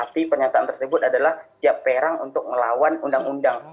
tapi pernyataan tersebut adalah siap perang untuk melawan undang undang